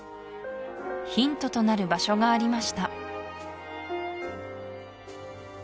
ヒントとなる場所がありました